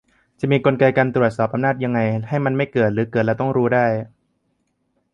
จะมีกลไกการตรวจสอบอำนาจยังไงให้มันไม่เกิด-หรือเกิดแล้วก็ต้องรู้ได้ ?